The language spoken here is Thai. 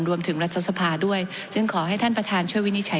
รวมถึงรัฐสภาด้วยจึงขอให้ท่านประธานเชื่อวินิจฉัย